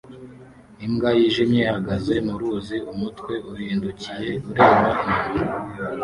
Imbwa yijimye ihagaze mu ruzi umutwe uhindukiye ureba inyuma